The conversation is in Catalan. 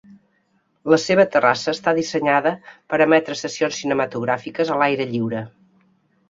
La seva terrassa està dissenyada per a emetre sessions cinematogràfiques a l'aire lliure.